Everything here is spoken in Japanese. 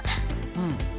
うん。